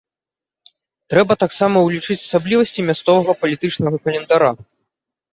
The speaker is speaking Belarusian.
Трэба таксама ўлічыць асаблівасці мясцовага палітычнага календара.